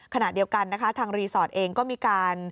ขณะเดียวกันนะคะทางรีสอร์ทเองก็มีการ